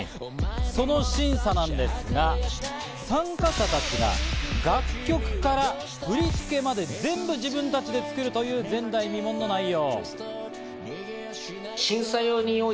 その審査なんですが、参加者たちが楽曲から振り付けまで、全部自分たちで作るという前代未聞の内容。